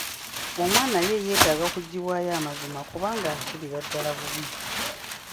Omwana ye yetaaga kuggyibwayo amazima kubanga asulira ddala bubi.